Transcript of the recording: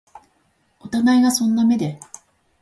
お互いがそんな目で